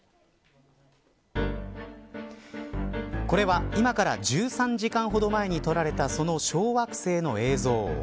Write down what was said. これは、今から１３時間ほど前に撮られたその小惑星の映像。